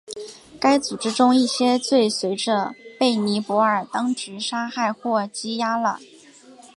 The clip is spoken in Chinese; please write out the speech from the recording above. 该组织中一些最随着被尼泊尔当局杀害或羁押了。